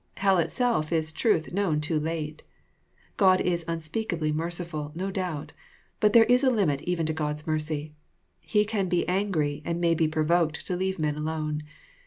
Hell itself is truth known too late. God is unspeakably mercifhl, no doubt. But there is a limit even to God's mercy. He can be angry, and may be provoked to leave men alone.